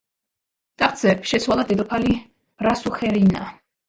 ტახტზე შეცვალა დედოფალი რასუხერინა.